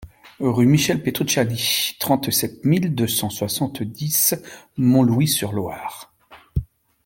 Rue Michel Petrucciani, trente-sept mille deux cent soixante-dix Montlouis-sur-Loire